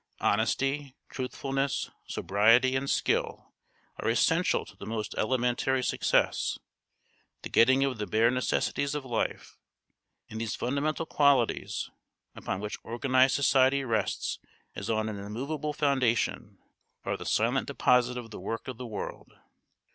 Honesty, truthfulness, sobriety, and skill are essential to the most elementary success, the getting of the bare necessities of life; and these fundamental qualities, upon which organised society rests as on an immovable foundation, are the silent deposit of the work of the world.